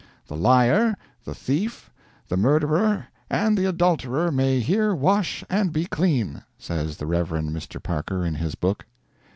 "The liar, the thief, the murderer, and the adulterer may here wash and be clean," says the Rev. Mr. Parker, in his book.